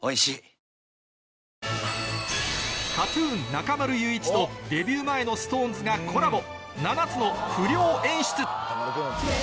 ＫＡＴ−ＴＵＮ ・中丸雄一とデビュー前の ＳｉｘＴＯＮＥＳ がコラボ